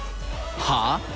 はあ！？